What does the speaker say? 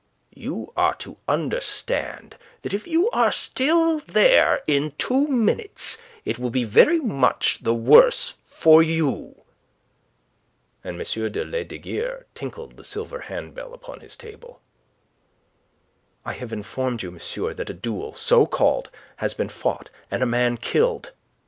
"You are to understand that if you are still there in two minutes it will be very much the worse for you." And M. de Lesdiguieres tinkled the silver hand bell upon his table. "I have informed you, monsieur, that a duel so called has been fought, and a man killed.